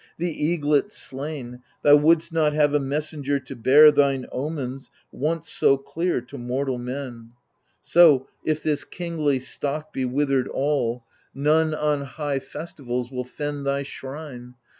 the eaglets slain, Thou wouldst not have a messenger to bear Thine omens, once so clear, to mortal men ; So, if this kingly stock be withered all, 94 THE LIBATION BEARERS None on high festivals will fend thy shrine.